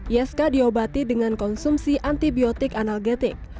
isk diobati dengan konsumsi antibiotik analgetik